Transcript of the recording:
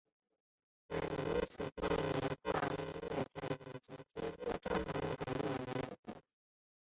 如此则能避免因跨月台缓急接续而造成人流过多。